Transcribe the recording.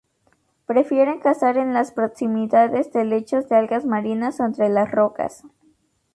Prefieren cazar en las proximidades de lechos de algas marinas o entre las rocas.